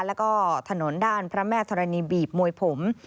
แล้วก็ถนนด้านพระแม่ธรณีบีบมวยผม